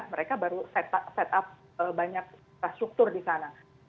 mereka baru set up banyak struktur di sana